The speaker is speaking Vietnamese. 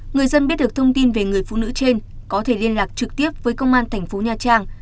người dân biết được thông tin về người phụ nữ trên có thể liên lạc trực tiếp với công an thành phố nha trang